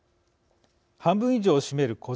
半分以上を占める個人